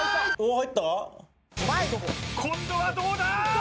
今度はどうだ？